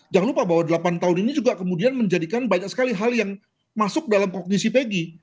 jangan lupa bahwa delapan tahun ini juga kemudian menjadikan banyak sekali hal yang masuk dalam kognisi pegi